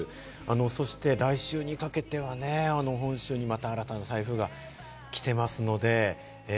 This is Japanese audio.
そして来週にかけてはね、本州にまた新たな台風が来ていますので。